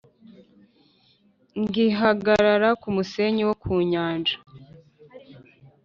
Ngihagarara ku musenyi wo ku nyanja